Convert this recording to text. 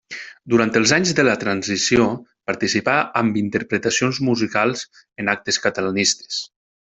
Durant els anys de la transició participà amb interpretacions musicals en actes catalanistes.